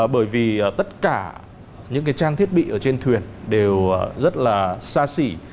bởi vì tất cả những cái trang thiết bị ở trên thuyền đều rất là xa xỉ